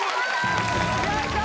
よいしょ！